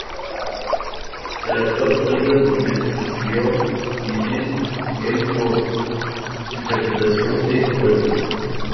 El actor Olivier Gourmet recibió el en el por su interpretación de Olivier.